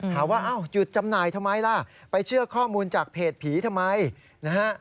ถามว่าอ้าวหยุดจำหน่ายทำไมล่ะไปเชื่อข้อมูลจากเพจผีทำไมนะฮะ